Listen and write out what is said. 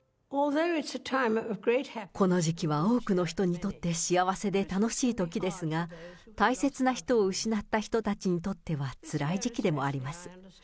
この時期は多くの人にとって幸せで楽しいときですが、大切な人を失った人たちにとってはつらい時期でもあります。